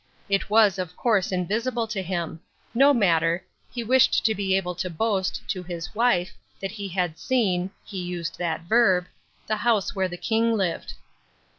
It was, of course, invisible to him. No matter. He wished to be able to boast, to his wife, that he had seen (he used that verb) the house where the King lived.